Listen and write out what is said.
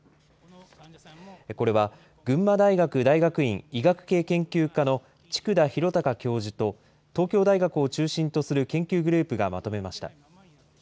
これは、群馬大学大学院医学系研究科の筑田博隆教授と、東京大学を中心とする研究グループがまとめました。